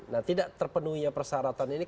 nah tidak terpenuhinya persyaratan ini karena itu